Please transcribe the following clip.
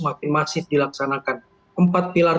masih dilaksanakan empat pilar